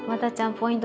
ポイント